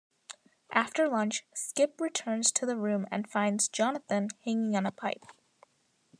After lunch, Skip returns to the room and finds Jonathan hanging on a pipe.